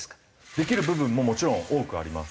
できる部分ももちろん多くあります。